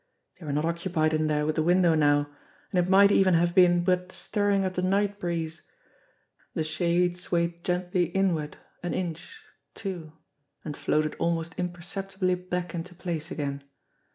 They were not occupied in there with the window now ! And it might even have been but the stirring of the night breeze. The shade swayed gently inward an inch, two and floated almost imperceptibly back into place again.